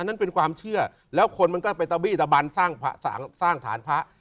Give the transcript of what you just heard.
นั่นเป็นความเชื่อแล้วคนมันก็ไปตะบี้ตะบันสร้างฐานพระ